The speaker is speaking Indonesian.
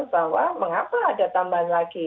bahwa mengapa ada tambahan lagi